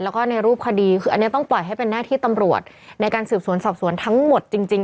แล้วก็ในรูปคดีคืออันนี้ต้องปล่อยให้เป็นหน้าที่ตำรวจในการสืบสวนสอบสวนทั้งหมดจริง